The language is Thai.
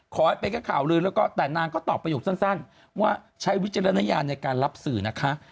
ขอให้ไปก็ข่าวเลยแต่นางก็ตอบประยุกต์สั้นว่าใช้วิจารณญาณในการรับสื่อนะคะ